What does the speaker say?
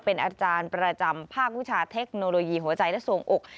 เป็นอาจารย์ประจำภาควิชาเทคโนโลยีหัวใจและส่วงอก